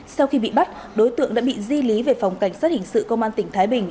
sau khi bị bắt đối tượng đã bị di lý về phòng cảnh sát hình sự công an tỉnh thái bình